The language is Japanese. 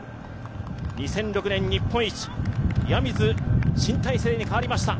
２００６年日本一、岩水新体制に変わりました。